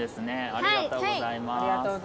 ありがとうございます。